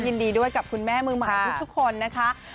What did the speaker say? ยินดีด้วยกับคุณแม่มือใหม่ทุกคนนะคะ